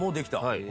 はい。